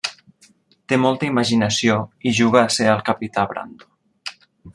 Té molta imaginació i juga a ser el capità Brando.